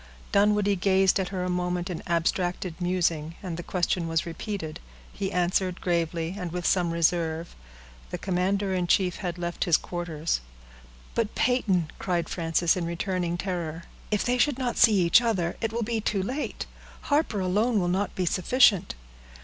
Dunwoodie gazed at her a moment in abstracted musing, and the question was repeated. He answered gravely, and with some reserve,— "The commander in chief had left his quarters." "But, Peyton," cried Frances, in returning terror, "if they should not see each other, it will be too late. Harper alone will not be sufficient."